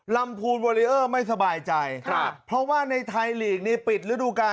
ลำพูนวอเรอร์ไม่สบายใจพอว่าในไทยหลีกนี้ปิดฤดูกา